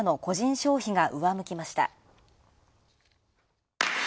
消費が上向きました。